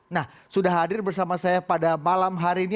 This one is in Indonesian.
nah sudah hadir bersama saya pada malam hari ini